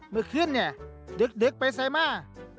เมื่อขึ้นดึกไปใส่มา